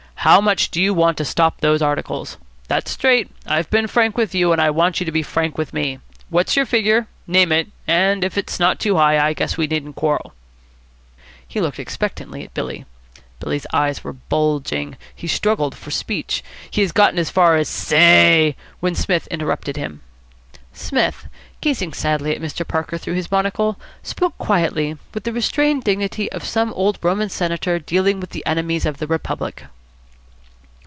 How much do you want to stop those articles? That's straight. I've been frank with you, and I want you to be frank with me. What's your figure? Name it, and, if it's not too high, I guess we needn't quarrel." He looked expectantly at Billy. Billy's eyes were bulging. He struggled for speech. He had got as far as "Say!" when Psmith interrupted him. Psmith, gazing sadly at Mr. Parker through his monocle, spoke quietly, with the restrained dignity of some old Roman senator dealing with the enemies of the Republic.